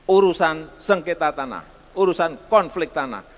urusan sengketa tanah urusan konflik tanah